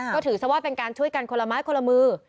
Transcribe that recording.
ก็ถือซะว่าเป็นการช่วยกันคนละไม้คนละมือ